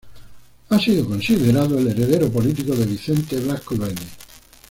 Ha sido considerado el heredero político de Vicente Blasco Ibáñez.